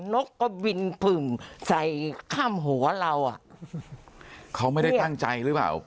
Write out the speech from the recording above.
นกก็บินผึ่งใส่ข้ามหัวเราอ่ะเขาไม่ได้ตั้งใจหรือเปล่า